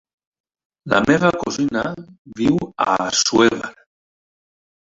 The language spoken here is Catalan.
La meva cosina viu a Assuévar.